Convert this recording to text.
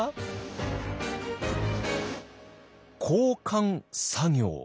「交換作業」。